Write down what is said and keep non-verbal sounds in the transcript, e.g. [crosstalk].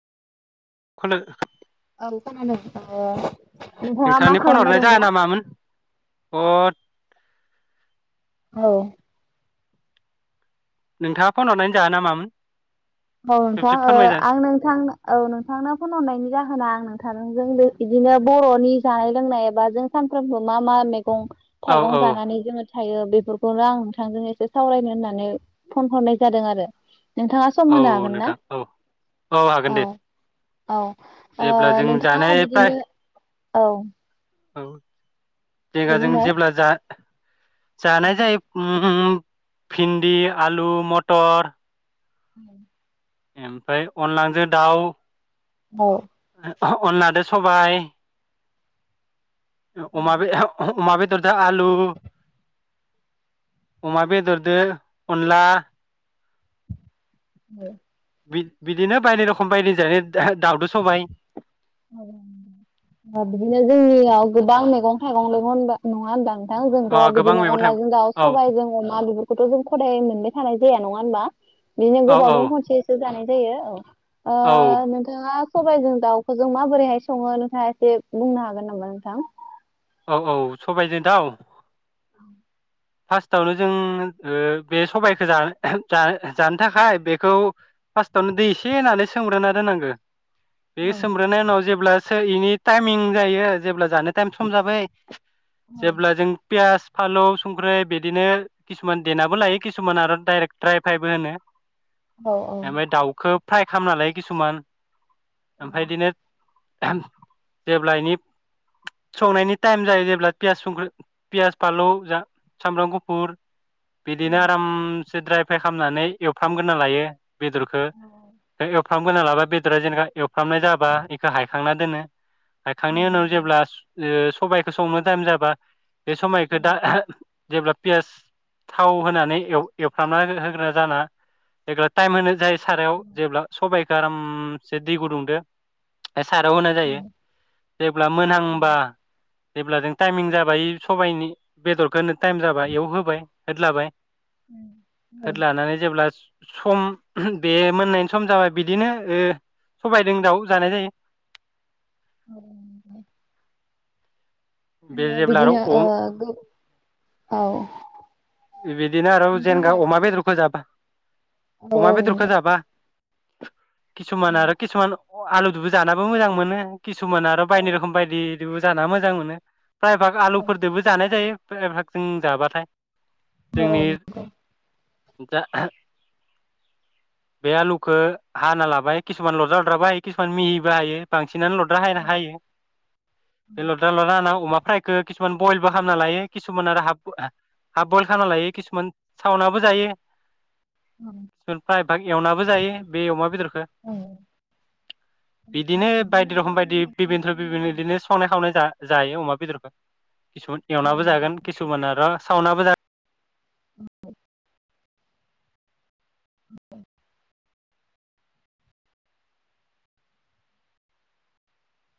[unintelligible] औ खोनादों ओ नोंथाङा मा नोंथांनि फन खालामबाय हरनाय दं जाहोना दा। मामोन [unintelligible] औ। नोंथाङा फन हरनानै जाहोना मामोन। औ नोंथां खेबसे ओ फोरमायजा आं नोंथांनो औ नोंथांनो आं फन हरनायनि जाहोना आं नों थांजों बे बिदिनो बर'नि जानाय लोंनाय एबा जों सानफ्रोमबो मा मा मेग गं औ थाइगं औ जानानै जोङो। थायो बेफोरखौनो आं नोंथांजों एसे सावरायनो होननानै फन हरनाय जादों आरो नोंथां औ नोंथां औ औ हागोन दे। औ ओ जेब्ला जों नोंथाङा जानाय फ्राय बिदिनो। औ। औ। दे [unintelligible] बुंनाय जेब्ला जा औ जानाय जायो उम भिन्दि आलु मटर। उम। ओमफ्राय अनलांजों दाउ। ब। अनलादो सबाय। अमाबे अमाबे। दा आलु। अमा बेदरदो अनला। औ। बि बिदिनो बायनि रखम बायदि जायो दाउदो सबाय अ बिदिनो जोंनियाव गो दा मैगं थाइगं [unintelligible] नङा होनबा। दा अ जोंथ' गोबां बिदिनो मैगं थाइगं अनलाजों दाउ औ सबायजों अमा बेफोरखौथ' जों खदाय मोनबाय थानाय जाया नङा होनबा। बिदिनो औ गोबावजों औ खनसेसो जानाय दैयो औ। ओ औ नोंथाङा सबाइजों दाउ खौ जों माबोरैहाय सङो नोंथाङा एसे बुंनो हागोन नामा नोंथां? औ औ सबायजों दाव। औ फार्स्टआवनो जों ओ बे सबायखौ जा-जानो थाखाय बेखौ फार्स्टआवनो दै एसे होनानै सोमग्रोना दोननांगो। बे औ सोमब्रोनाय उनाव जेब्ला सोर इनि टाइमिं जायो जेब्ला जानो टाइम सम जाबाय। जेब्ला जों पियास फालौ ओमफ्राय बिदिनो किसुमान देेनाबो लायो किसुमान आरो डायरेक्ट द्राइ फाइबो होनो। ओमफाय दावखो फ्राइ खालामना लायो किसुमान। ओमफाय इदिनो जेब्ला एनि संनायनि टाइम जायो जेब्ला पियास संख्रि पियास फालौ जा सामरां गुफुर बिदिनो आराम सो द्राइइ फ्राइ खामनानै एवफ्रामग्रोना लायो। बेदरखो एवफ्रामगोना लाबा बेदरा जेनेका एवफ्रामनाय जाबा इखो हायखांना दोनो। हायखांनि उनाव जेब्ला सबायखो संनो टाइम जाबा बे समायखो दा जेब्ला पियास थाव होनानै एव- एवफ्रामना होग्रा जाना [unintelligible] टाइम होनो जायो। सारायाव जेब्ला सबाय आरामसे दै गुदुंदो सारायाव होनाय औ जायो जेब्ला मोनहांबा जेब्ला जों टाइमिं जाबाय सबायनि बेदरखो टाइम जाबाय इयाव होबाय होदलाबाय होदलानानै जेब्ला सम बे मोननायनि सम जाबाय बिदिनो ओ सबायदों दाउ जानाय जायो। औ [unintelligible] बे ओ जेब्ला आरो बिदिनो ओ अम गो औ बिदिनो आरो जेनगा नोंथाङा अमा बेदरखौ जाबा औ अमा औ बेदरखो जाबा किसुमान आरो नंगौ किसुमान अ' आलु दुबो जानाबो मोजां मोनो। किसुमान आरो बायनाय रखम बायदि। दिबु जाना मोजां मोनो। प्राय बाग औ आलुफोरदोबो जानाय जायो। [unintelligible] जों जाबाथाय औ जोंनि दा बे आलुखो हाना लाबाय किसुमान लद्रा लद्राबो हायो। किसुमान मिहिबो हायो बां सिनानो लद्रा हा औ हायो। बे लद्रा लद्रा हाना अमा फ्रायखौ किसुमान बयलबो खालामना लायो। किसुमान आरो हाब ब आ हाफ बयल खाना लायो किसुमान सावनाबबो जायो। सोर फ्रायभाग एवनाबो जायो। बे अमा बेदरखो औ बिदिनो बायदि रखम गोबां बायदि बिबिनद्र बिबिनद्र मैगंखौनो इदिनो संनाय खावनाय जा जायो अमा बेदरखो किसुमान एवनाबो जागोन किसुमान आर सावनाबो जा [unintelligible] [inaudible]